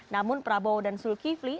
namun prabowo dan zulkifli